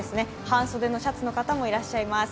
半袖のシャツの方もいらっしゃいます。